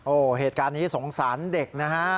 โอ้โหเหตุการณ์นี้สงสารเด็กนะฮะ